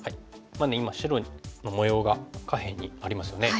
今白の模様が下辺にありますよね。